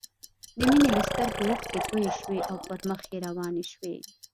د مينې له سترګو اوښکې توې شوې او پر مخ يې روانې شوې